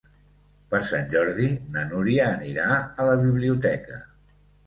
Per Sant Jordi na Núria anirà a la biblioteca.